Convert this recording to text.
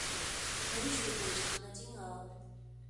領取補償的金額